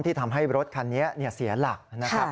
ทำให้รถคันนี้เสียหลักนะครับ